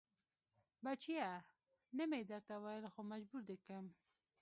بچيه نه مې درته ويل خو مجبور دې کم.